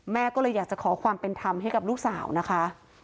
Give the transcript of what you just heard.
แม่ก็เลยอยากจะขอความเป็นธรรมให้กับลูกสาวนะคะ